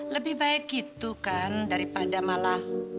lebih baik gitu kan daripada malah